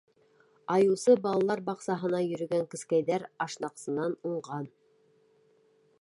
Айыусы балалар баҡсаһына йөрөгән кескәйҙәр ашнаҡсынан уңған.